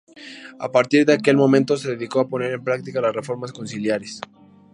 A partir de aquel momento se dedicó a poner en práctica las reformas conciliares.